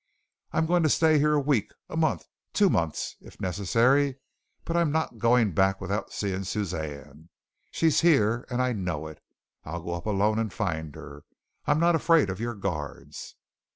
I'm going to stay here a week, a month, two months, if necessary, but I'm not going back without seeing Suzanne. She's here, and I know it. I'll go up alone and find her. I'm not afraid of your guards."